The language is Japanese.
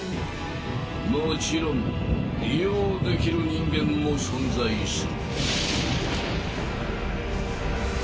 もちろん利用できる人間も存在する。